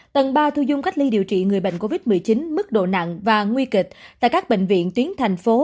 tầng ba thu dung cách ly điều trị người bệnh covid một mươi chín mức độ nặng và nguy kịch tại các bệnh viện tuyến thành phố